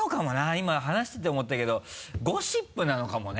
今話してて思ったけどゴシップなのかもね。